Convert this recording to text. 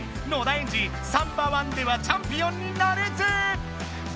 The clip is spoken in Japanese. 野田エンジ「サンバ１」ではチャンピオンになれず！